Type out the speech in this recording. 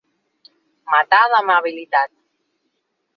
Matar d'amabilitat